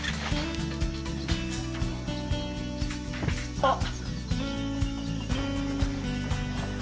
あっ。